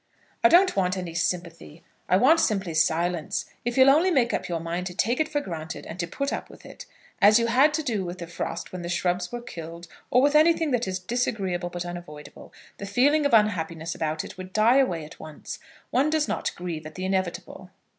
"I don't want any sympathy. I want simply silence. If you'll only make up your mind to take it for granted, and to put up with it as you had to do with the frost when the shrubs were killed, or with anything that is disagreeable but unavoidable, the feeling of unhappiness about it would die away at once. One does not grieve at the inevitable."